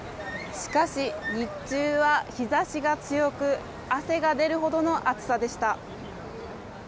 しかし、日中は日差しが強く汗が出るほどの暑さでした。